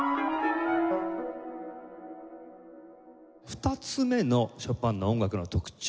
２つ目のショパンの音楽の特徴